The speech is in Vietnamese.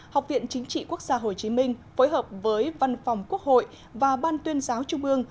học viện chính trị quốc gia hồ chí minh phối hợp với văn phòng quốc hội và ban tuyên giáo trung ương